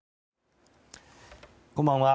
こんばんは。